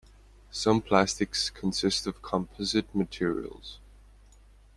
Some plastics consist of composite materials.